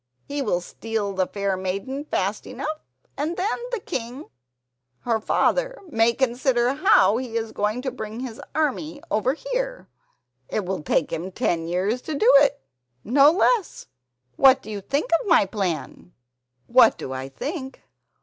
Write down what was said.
He will steal the fair maiden fast enough, and then the king, her father, may consider how he is going to bring his army over here—it will take him ten years to do it!— no less! What do you think of my plan?" "What do I think?